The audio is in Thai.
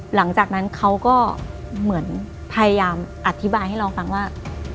หลังจากนั้นเขาก็เหมือนพยายามอธิบายให้เราฟังว่า